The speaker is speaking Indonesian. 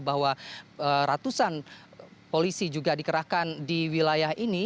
bahwa ratusan polisi juga dikerahkan di wilayah ini